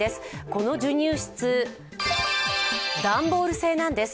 この授乳室、段ボール製なんです。